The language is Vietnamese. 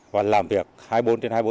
và làm việc hai mươi bốn h hai mươi bốn h